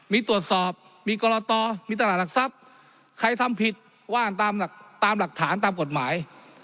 มีตรวจสอบมีกรตมีตลาดหลักทรัพย์ใครทำผิดว่างตามหลักฐานตามกฎหมาย